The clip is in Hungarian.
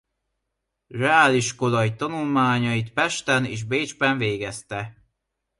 Reáliskolai tanulmányait Pesten és Bécsben végezte.